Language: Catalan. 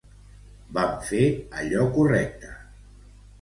Vam fer allò correcte.